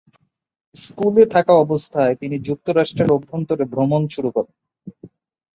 স্কুলে থাকা অবস্থায় তিনি যুক্তরাষ্ট্রের অভ্যন্তরে ভ্রমণ শুরু করেন।